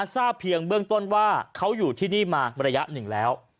ทราบเพียงเบื้องต้นว่าเขาอยู่ที่นี่มาระยะหนึ่งแล้ว